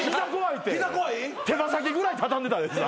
手羽先ぐらい畳んでたで膝。